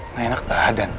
enggak enak badan